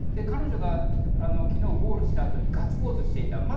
彼女が昨日ゴールしたあとにガッツポーズしていた。